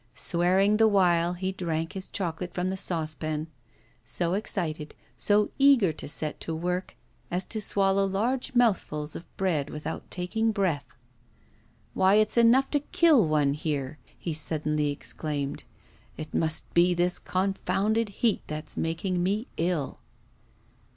Swearing the while, he drank his chocolate from the saucepan, so excited, so eager to set to work, as to swallow large mouthfuls of bread without taking breath. 'Why, it's enough to kill one here,' he suddenly exclaimed. 'It must be this confounded heat that's making me ill.